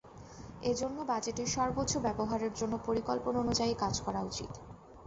এ জন্য বাজেটের সর্বোচ্চ ব্যবহারের জন্য পরিকল্পনা অনুযায়ী কাজ করা উচিত।